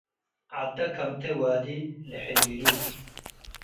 ዐደ ከምቴ ዋዲ ለሕሊሉ